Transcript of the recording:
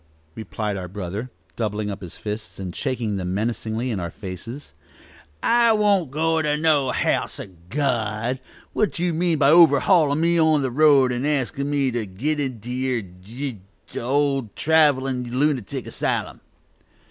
our brother replied, doubling up his fists and shaking them menacingly in our faces: "I won't go to no house o' God. What d'ye mean by overhauling me on the road, and askin' me to git into yer d d old traveling lunatic asylum?"